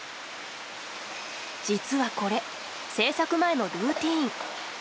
実はこれ、制作前のルーティーン。